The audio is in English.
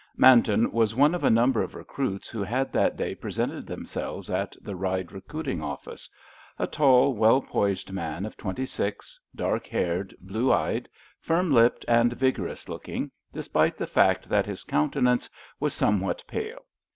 Manton was one of a number of recruits who had that day presented themselves at the Ryde Recruiting Office—a tall, well poised man of twenty six, dark haired, blue eyed, firm lipped and vigorous looking, despite the fact that his countenance was somewhat pale.